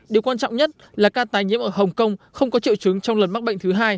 điều quan trọng nhất là ca tái nhiễm ở hồng kông không có triệu chứng trong lần mắc bệnh thứ hai